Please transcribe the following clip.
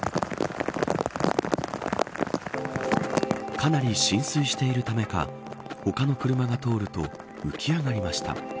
かなり浸水しているためか他の車が通ると浮き上がりました。